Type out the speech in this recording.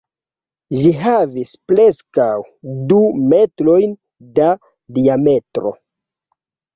Ĝi havis preskaŭ du metrojn da diametro.